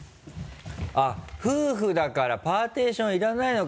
あっ夫婦だからパーティションいらないのか！